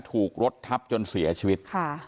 ถูกรถทับจนเสียชีวิต